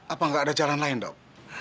apa nggak ada jalan lain dok